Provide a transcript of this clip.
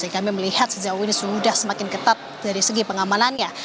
kami melihat sejauh ini sudah semakin ketat dari segi pengamanannya